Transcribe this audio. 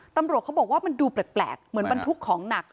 ตำรวจเขาบอกว่ามันดูแปลกเหมือนบรรทุกของหนัก